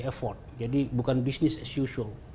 effort jadi bukan business as usual